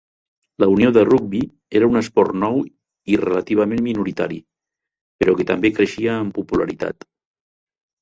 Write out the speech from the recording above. La unió de rugbi era un esport nou i relativament minoritari, però que també creixia en popularitat.